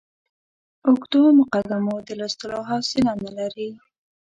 اوږدو مقدمو د لوستلو حوصله نه لري.